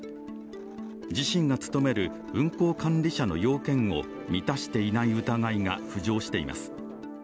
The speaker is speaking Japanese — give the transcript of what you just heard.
自身が務める運航管理者の要件を満たしていない疑いが浮上しています。